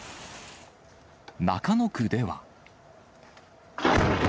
中野区では。